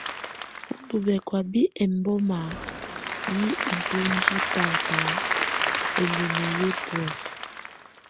U ndù̀ bɛkɔ̀á bɛ ɛmboma yɛ iboŋdiǝ bata ǝlimǝ yɛ bɔ̀ósɛ.